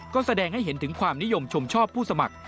ก็แสดงให้เห็นถึงความนิยมชมชอบผู้สมัคร